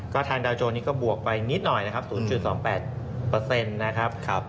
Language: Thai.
ก็ทางดาวโจรนี้ก็บวกไปนิดหน่อยนะครับ๐๒๘นะครับ